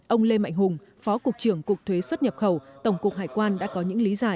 ông lê mạnh hùng phó cục trưởng cục thuế xuất nhập khẩu tổng cục hải quan đã có những lý giải